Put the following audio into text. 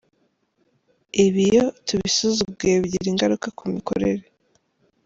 Ibi iyo tubisuzuguye bigira ingaruka ku mikorere.